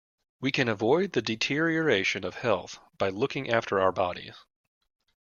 We can avoid the deterioration of health by looking after our bodies.